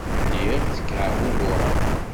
Lliɣ ttkeɛbubureɣ.